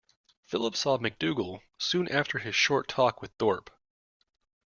Philip saw MacDougall soon after his short talk with Thorpe.